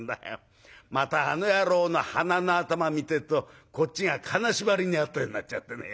またあの野郎の鼻の頭見てるとこっちが金縛りに遭ったようになっちゃってね。